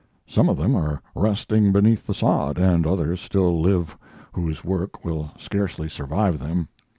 Some of them are resting beneath the sod, and others still live whose work will scarcely survive them.